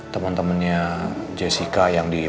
temen temennya jessica yang di pusat